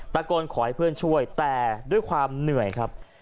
ขอให้เพื่อนช่วยแต่ด้วยความเหนื่อยครับ